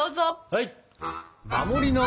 はい！